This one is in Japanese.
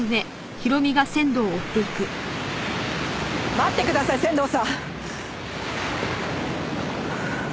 待ってください仙堂さん。